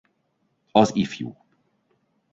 Az Ifj.